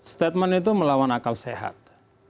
statement itu melawan akal sehat